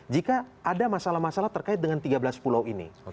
jika ada masalah masalah terkait dengan tiga belas pulau ini